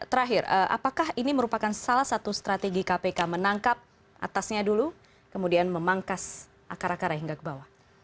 terakhir apakah ini merupakan salah satu strategi kpk menangkap atasnya dulu kemudian memangkas akar akarnya hingga ke bawah